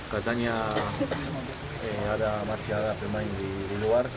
katanya masih ada pemain di luar